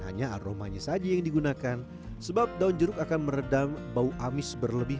hanya aromanya saja yang digunakan sebab daun jeruk akan meredam bau amis berlebih